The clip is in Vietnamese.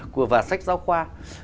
của và sách giáo khoa